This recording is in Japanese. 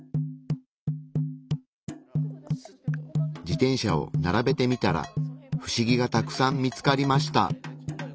自転車をならべてみたらフシギがたくさん見つかりました。